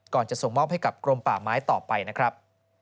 จะส่งมอบให้กับกรมป่าไม้ต่อไปนะครับ